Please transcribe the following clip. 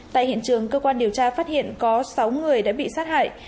tại hiện trường cơ quan điều tra phát hiện có sáu người đã bị sát hại